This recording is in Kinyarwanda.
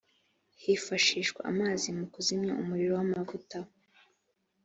hifashishwa amazi mu kuzimya umuriro wamavuta